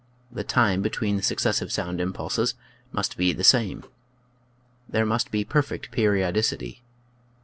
The time between the successive sound impulses must be the same. There must be perfect periodicity.